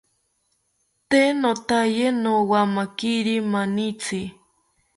Tee nothaye nowamakiri manitzi